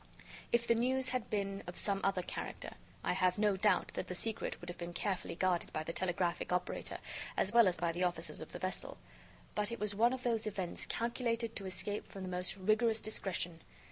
If the news had been of some other character, I have no doubt that the secret would have been carefully guarded by the telegraphic operator as well as by the officers of the vessel. But it was one of those events calculated to escape from the most rigorous discretion.